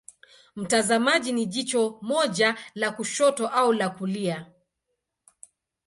Mtazamaji ni jicho moja la kushoto au la kulia.